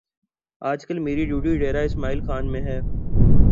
آج کل میری ڈیوٹی ڈیرہ اسماعیل خان میں ہے